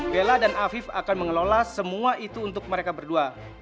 bella dan afif akan mengelola semua itu untuk mereka berdua